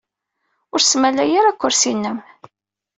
Ur smalay ara akersi-nnem.